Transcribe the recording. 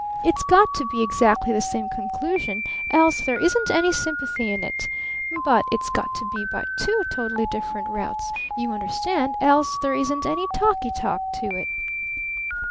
It's got to be exactly the same conclusion, else there isn't any sympathy in it. But it's got to be by two totally different routes, you understand, else there isn't any talky talk to it!"